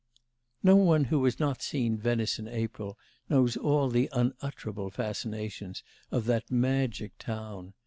No one who has not seen Venice in April knows all the unutterable fascinations of that magic town.